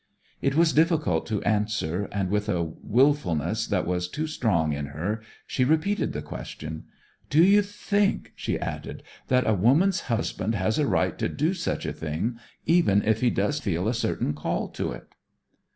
It was difficult to answer, and with a wilfulness that was too strong in her she repeated the question. 'Do you think,' she added, 'that a woman's husband has a right to do such a thing, even if he does feel a certain call to it?'